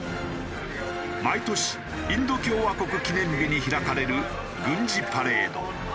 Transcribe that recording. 毎年インド共和国記念日に開かれる軍事パレード。